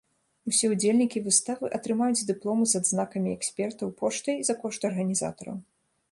Усе ўдзельнікі выставы атрымаюць дыпломы з адзнакамі экспертаў поштай за кошт арганізатараў.